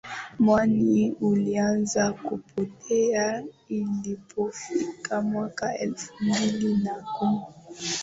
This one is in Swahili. Mwani ulianza kupotea ilipofika mwaka elfu mbili na kumi